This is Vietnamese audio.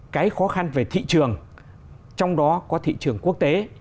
cái khó khăn về thị trường trong đó có thị trường quốc tế